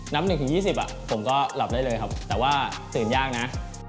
๑๒๐ผมก็หลับได้เลยครับแต่ว่าตื่นยากนะ